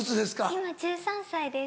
今１３歳です。